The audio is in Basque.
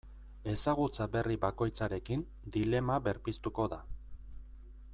Ezagutza berri bakoitzarekin dilema berpiztuko da.